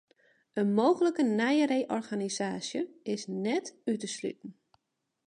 In mooglike nije reorganisaasje is net út te sluten.